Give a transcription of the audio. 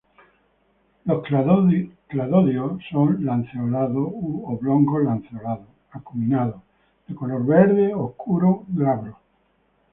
Los cladodios son lanceolados u oblongo-lanceolados, acuminados, de color verde oscuro, glabros.